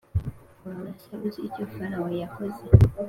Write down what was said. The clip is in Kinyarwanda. Waba se uzi icyo Farawo yakoze?